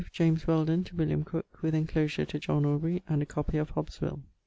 James Wheldon to William Crooke, with enclosure to John Aubrey, and a copy of Hobbes' will.